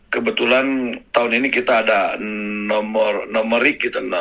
kebetulan tahun ini kita ada nomor reak gitu